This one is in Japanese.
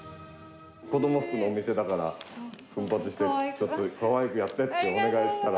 子ども服のお店だから、奮発して、かわいくやってってお願いしたら。